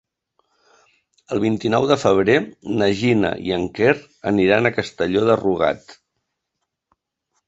El vint-i-nou de febrer na Gina i en Quer aniran a Castelló de Rugat.